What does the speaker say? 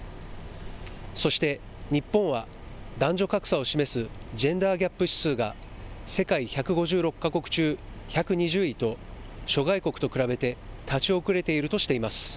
そして日本は男女格差を示すジェンダーギャップ指数が世界１５６か国中、１２０位と諸外国と比べて立ち遅れているとしています。